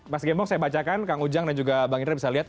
mas gembong saya bacakan kang ujang dan juga bang indra bisa lihat